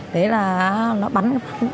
thế là nó bắn